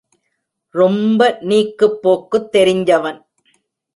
ரொம்ப நீக்குப் போக்குத் தெரிஞ்சவன்.